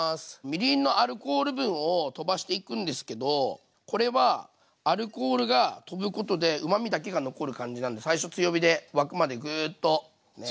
みりんのアルコール分を飛ばしていくんですけどこれはアルコールが飛ぶことでうまみだけが残る感じなんで最初強火で沸くまでグーッと。